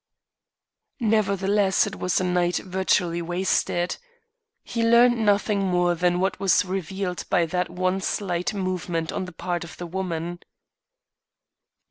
Nevertheless it was a night virtually wasted. He learned nothing more than what was revealed by that one slight movement on the part of the woman.